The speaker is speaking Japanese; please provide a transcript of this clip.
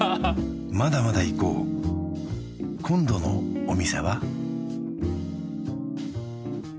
まだまだ行こう今度のお店は？